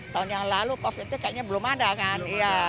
tahun yang lalu covid nya kayaknya belum ada kan